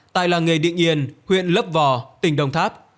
tại làng nghề định yên huyện lấp vò tỉnh đồng tháp